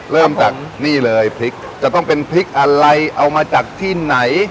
เริ่มจากนี่เลยพริกจะต้องเป็นพริกอะไรเอามาจากที่ไหน